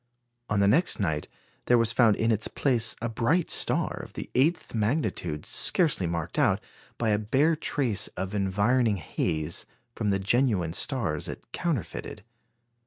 On the next night, there was found in its place a bright star of the eighth magnitude, scarcely marked out, by a bare trace of environing haze, from the genuine stars it counterfeited.